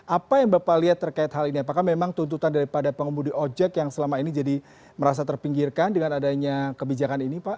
apa yang bapak lihat terkait hal ini apakah memang tuntutan daripada pengemudi ojek yang selama ini jadi merasa terpinggirkan dengan adanya kebijakan ini pak